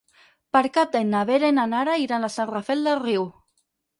Per Cap d'Any na Vera i na Nara iran a Sant Rafel del Riu.